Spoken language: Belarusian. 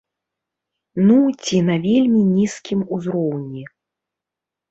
Ну, ці на вельмі нізкім узроўні.